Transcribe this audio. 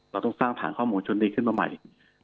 เราต้องสร้างฐานข้อมูลชุดนี้ขึ้นมาใหม่